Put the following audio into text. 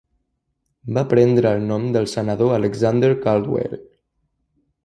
Va prendre el nom del Senador Alexander Caldwell.